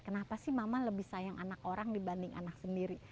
kenapa sih mama lebih sayang anak orang dibanding anak sendiri